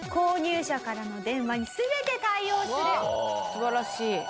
素晴らしい。